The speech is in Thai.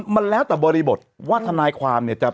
มันแล้วแต่บริบทว่าทนายความเนี่ย